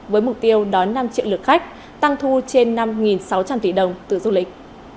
với mục tiêu đón năm triệu lượt khách tăng thu trên năm sáu trăm linh tỷ đồng từ du lịch